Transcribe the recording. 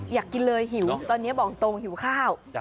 อยากกินเลยหิวเดี๋ยวหนีบอนโต่งหิวข้าว